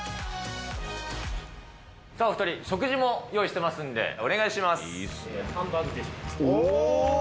さあ、お２人、食事も用意してますんで、お願いします。